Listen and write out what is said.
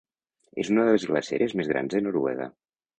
És una de les glaceres més grans de Noruega.